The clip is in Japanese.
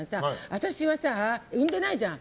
私は産んでないじゃん。